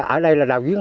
ở đây là đạo diễn